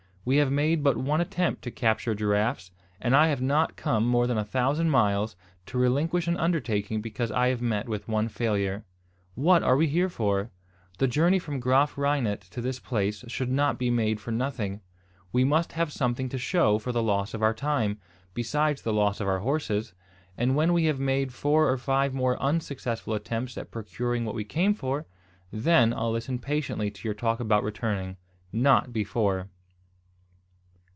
We have made but one attempt to capture giraffes; and I have not come more than a thousand miles, to relinquish an undertaking because I have met with one failure. What are we here for? The journey from Graaf Reinet to this place should not be made for nothing. We must have something to show for the loss of our time, besides the loss of our horses; and when we have made four or five more unsuccessful attempts at procuring what we came for, then I'll listen patiently to your talk about returning, not before."